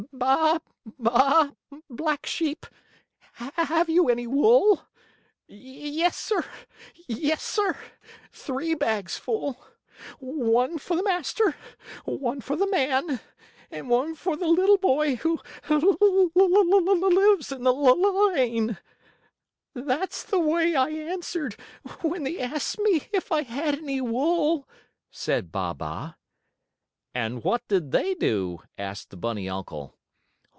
"'Baa baa, black sheep, have you any wool? Yes, sir; yes, sir; three bags full. One for the master, one for the man, And one for the little boy who lives in the lane.' "That's the way I answered when they asked me if I had any wool," said Baa baa. "And what did they do?" asked the bunny uncle.